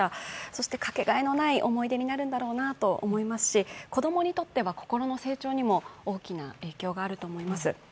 そしてかけがえのない思い出になるんだろうなと思いますし子供にとっては心の成長にも大きな影響があると思います。